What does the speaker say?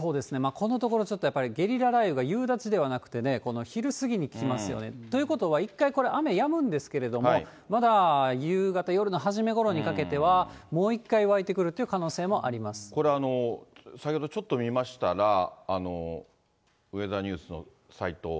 このところ、ちょっとやっぱりゲリラ雷雨が夕立じゃなくてね、この昼過ぎに来ますよね。ということは、一回これ、雨やむんですけれども、まだ夕方、夜の初めごろにかけてはもう一回湧いてくるという可能性もありまこれ、先ほどちょっと見ましたら、ウェザーニュースのサイトを。